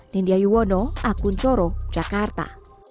nindya yuwono akun coro jakarta